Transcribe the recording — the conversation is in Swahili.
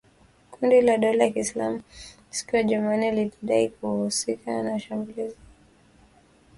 Kundi la dola ya Kiilsmau siku ya Jumanne lilidai kuhusika na shambulizi lililoua takriban raia kumi na tano